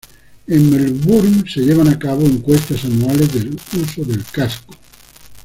En Melbourne se llevan a cabo encuestas anuales del uso del casco.